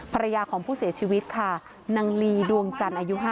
ภรรยาของผู้เสียชีวิตค่ะนางลีดวงจันทร์อายุ๕๐